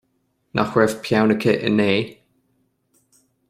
Nach raibh peann aici inné